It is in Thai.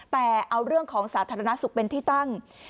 แต่เอาเรื่องของสาธารณสุขเป็นที่ตั้ง